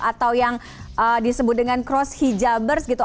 atau yang disebut dengan cross hijabers gitu